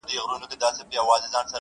• سیاه پوسي ده؛ ژوند تفسیرېږي؛